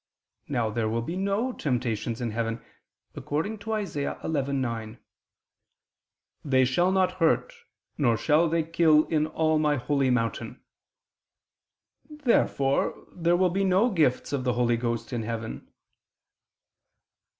Now there will be no temptations in heaven, according to Isa. 11:9: "They shall not hurt, nor shall they kill in all My holy mountain." Therefore there will be no gifts of the Holy Ghost in heaven.